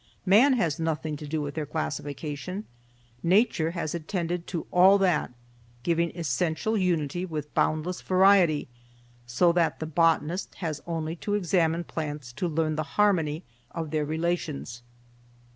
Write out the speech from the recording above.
Man has nothing to do with their classification. Nature has attended to all that, giving essential unity with boundless variety, so that the botanist has only to examine plants to learn the harmony of their relations."